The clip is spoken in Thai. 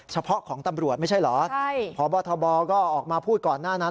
เฉพาะของตำรวจไม่ใช่เหรอใช่พบทบก็ออกมาพูดก่อนหน้านั้น